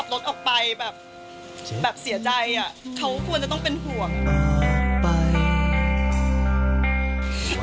ว่าตอนเที่ยวคืนที่แยะขับรถออกไปแบบเสียใจอะเขาควรจะต้องเป็นห่วง